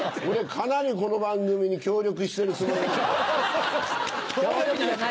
俺かなりこの番組に協力してるつもり。